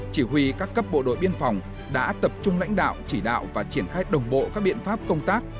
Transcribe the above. chỉ huy các cấp bộ đội biên phòng đã tập trung lãnh đạo chỉ đạo và triển khai đồng bộ các biện pháp công tác